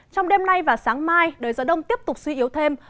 trong đêm nay và sáng mai đời gió đông tiếp tục suy yếu thêm